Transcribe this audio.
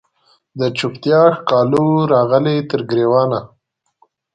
د چوپتیا ښکالو راغلې تر ګریوانه